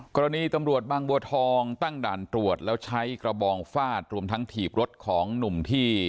กรณีตำรวจบางบัวทองตั้งด่านตรวจแล้วใช้กระบองฟาดรวมทั้งถีบรถของหนุ่มที่